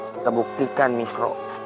kita buktikan misro